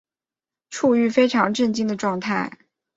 处於非常震惊的状态